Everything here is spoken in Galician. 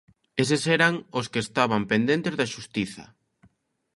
Eses eran os que estaban pendentes da Xustiza.